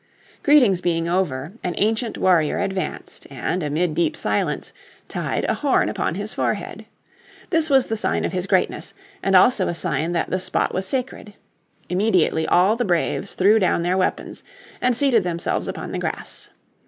Greetings being over, an ancient warrior advanced, and amid deep silence, tied a horn upon his forehead. This was the sign of his greatness, and also a sign that the spot was sacred. Immediately all the braves threw down their weapons, and seated themselves upon the grass.